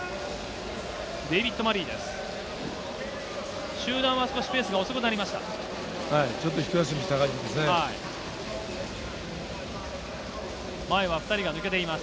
デイビッド・マリーです。